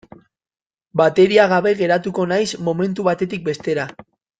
Bateria gabe geratuko naiz momentu batetik bestera.